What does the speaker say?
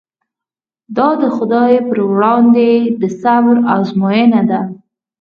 دا د خدای پر وړاندې د صبر ازموینه ده.